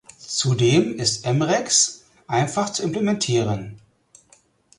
Zudem ist Emrex einfach zu implementieren.